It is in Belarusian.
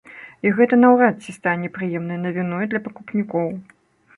І гэта наўрад ці стане прыемнай навіной для пакупнікоў.